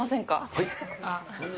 はい？